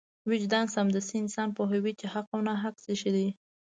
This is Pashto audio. وجدان سمدستي انسان پوهوي چې حق او ناحق څه شی دی.